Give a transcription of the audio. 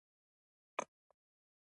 سترګې په سړو اوبو وینځئ